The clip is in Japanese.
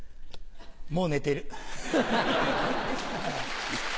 もう寝てる。